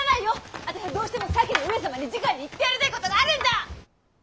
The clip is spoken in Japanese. あたしゃどうしても先の上様にじかに言ってやりたいことがあるんだ！